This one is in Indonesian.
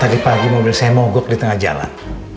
tadi pagi mobil saya mogok di tengah jalan